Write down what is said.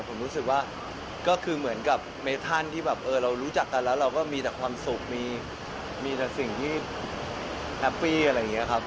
ผมรู้สึกว่าก็คือเหมือนกับเมธันที่แบบเออเรารู้จักกันแล้วเราก็มีแต่ความสุขมีแต่สิ่งที่แฮปปี้อะไรอย่างนี้ครับ